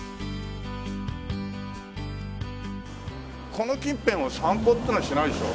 この近辺を散歩っていうのはしないでしょ？